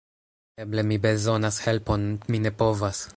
Eble mi bezonas helpon... mi ne povas...